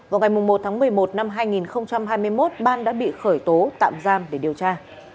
vào ngày một tháng một mươi một năm hai nghìn hai mươi một ban đã bị khởi tố tạm giam để điều tra